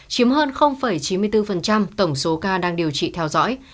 chiếm hơn chín mươi bốn tổng số ca đang điều trị theo dõi